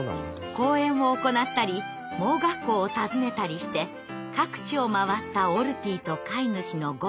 講演を行ったり盲学校を訪ねたりして各地を回ったオルティと飼い主のゴルドン。